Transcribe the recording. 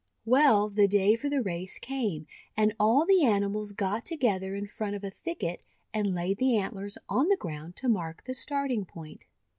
Well, the day for the race came, and all the animals got together in front of a thicket, and laid the antlers on the ground to mark the start ing point.